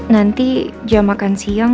nanti jam makan siang